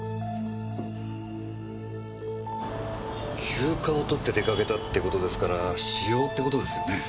休暇をとって出掛けたって事ですから私用って事ですよね？